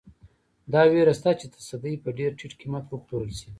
دا وېره شته چې تصدۍ په ډېر ټیټ قیمت وپلورل شي.